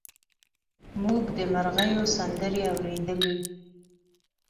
موږ د مرغیو سندرې اورېدلې.